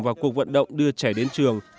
và cuộc vận động đưa trẻ đến trường